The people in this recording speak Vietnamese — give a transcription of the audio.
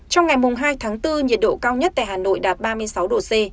trong ngày hai tháng bốn nhiệt độ cao nhất tại hà nội đạt ba mươi sáu độ c